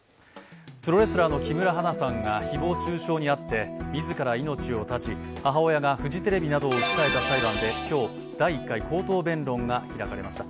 プロレスラーの木村花さんが誹謗中傷に遭って自ら命を絶ち、母親がフジテレビなどを訴えた裁判で、今日、第１回口頭弁論が開かれました。